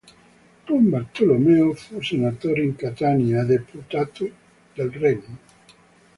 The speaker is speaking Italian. Un Bartolomeo fu senatore in Catania e deputato del regno.